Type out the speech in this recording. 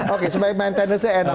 oke supaya maintenancenya enak